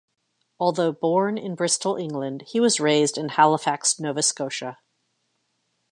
Although born in Bristol, England, he was raised in Halifax, Nova Scotia.